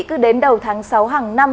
cứ đến đầu tháng sáu hàng năm